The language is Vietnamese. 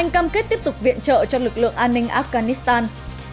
cam kết tiếp tục viện trợ cho lực lượng an ninh afghanistan